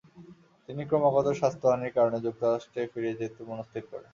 তিনি ক্রমাগত স্বাস্থ্যহানীর কারণে যুক্তরাষ্ট্রে ফিরে যেতে মনঃস্থির করেন।